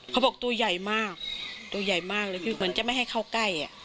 เขาบอกตัวใหญ่มากตัวใหญ่มากเลยคือเหมือนจะไม่ให้เข้าใกล้